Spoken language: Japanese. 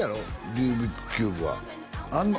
ルービックキューブはあんの？